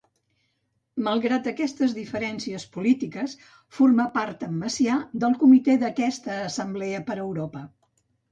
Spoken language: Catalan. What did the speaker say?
Malgrat aquestes diferències polítiques, formà part amb Macià del comitè d'aquesta assemblea per a Europa.